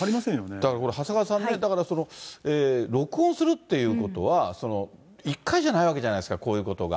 だからこれ、長谷川さんね、だからその、録音するっていうことは、一回じゃないわけじゃないですか、こういうことが。